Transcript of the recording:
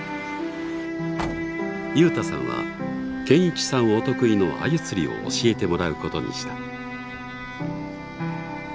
友太さんは堅一さんお得意のアユ釣りを教えてもらうことにした。